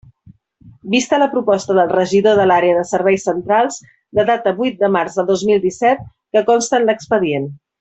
Vista la proposta del regidor de l'Àrea de Serveis Centrals, de data vuit de març de dos mil disset, que consta en l'expedient.